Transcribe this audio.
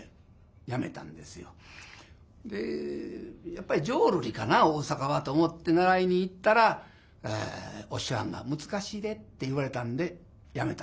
「やっぱり浄瑠璃かな大阪は」と思って習いに行ったらお師匠はんが「難しいで」って言われたんでやめたんですよ。